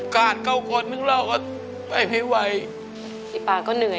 รายการต่อไปนี้เป็นรายการทั่วไปสามารถรับชมได้ทุกวัย